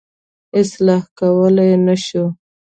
اصلاح کولای یې نه شو.